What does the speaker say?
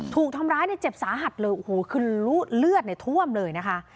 ถูกทำร้ายเนี่ยเจ็บสาหัสเลยโอ้โหคือเลือดในท่วมเลยนะคะ